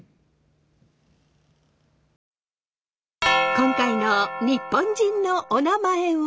今回の「日本人のおなまえ」は。